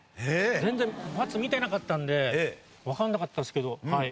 全然バツ見てなかったのでわからなかったですけどはい。